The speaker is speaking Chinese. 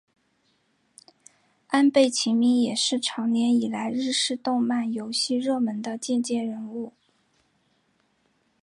安倍晴明也是长年以来日式动漫游戏热门的借鉴人物。